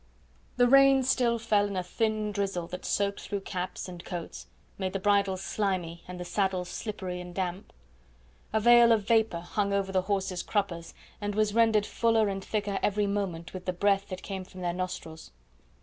The rain still fell in a thin drizzle that soaked through caps and coats, made the bridles slimy and the saddles slippery and damp. A veil of vapour hung over the horses' cruppers, and was rendered fuller and thicker every moment with the breath that came from their nostrils.